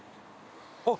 あっ！